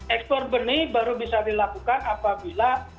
ekspor benih baru bisa dilakukan apabila